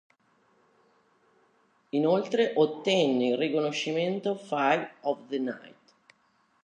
Inoltre ottenne il riconoscimento "Fight of the Night".